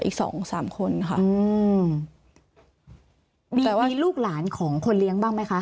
อีกสองสามคนค่ะอืมมีแต่มีลูกหลานของคนเลี้ยงบ้างไหมคะ